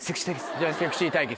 じゃあセクシー対決。